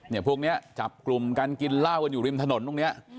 พวกนี้จับกลุ่มกันกินเหล้ากันอยู่ริมถนนตรงนี้